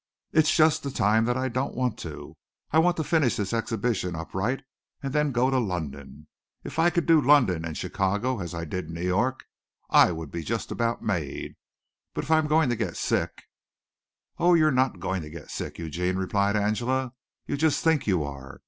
It's just the time that I don't want to. I want to finish this exhibition up right and then go to London. If I could do London and Chicago as I did New York I would be just about made, but if I'm going to get sick " "Oh, you're not going to get sick, Eugene," replied Angela, "you just think you are.